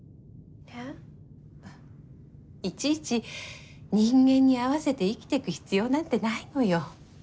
いちいち人間に合わせて生きていく必要なんてないのよ。